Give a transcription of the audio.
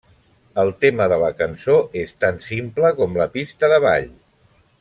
El tema de la cançó és tan simple com la pista de ball.